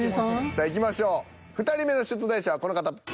さあいきましょう２人目の出題者はこの方。